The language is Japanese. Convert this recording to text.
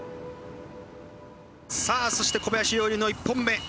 さあそして小林陵侑の１本目。